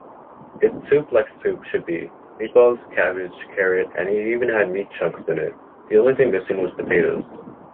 It’s soup like soup should be, meatballs, cabbage, carrot and it even had meat chunks in it, the only thing missing was potatoes.